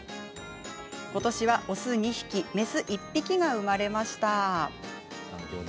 ことしは雄２匹、雌１匹が生まれました。